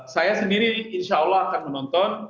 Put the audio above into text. saya sendiri insya allah akan menonton